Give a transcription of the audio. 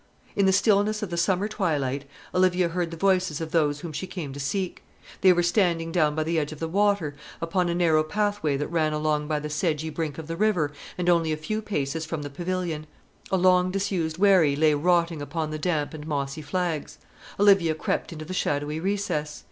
In the stillness of the summer twilight Olivia heard the voices of those whom she came to seek. They were standing down by the edge of the water, upon a narrow pathway that ran along by the sedgy brink of the river, and only a few paces from the pavilion. The door of the boat house was open; a long disused wherry lay rotting upon the damp and mossy flags. Olivia crept into the shadowy recess.